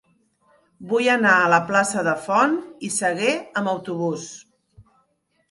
Vull anar a la plaça de Font i Sagué amb autobús.